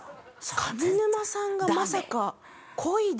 上沼さんがまさか恋で。